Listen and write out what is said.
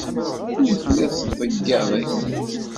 Ur telliḍ tettḍeyyiɛeḍ akud.